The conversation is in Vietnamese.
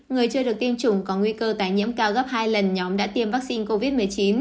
người chưa được tiêm chủng có nguy cơ tài nhiễm cao gấp hai lần nhóm đã tiêm vaccine covid một mươi chín